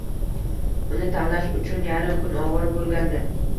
Uni tanlash uchun yarim kun ovora bo`lgandi